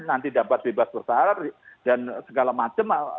nanti dapat bebas bersarat dan segala macam